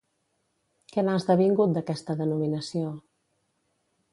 Què n'ha esdevingut d'aquesta denominació?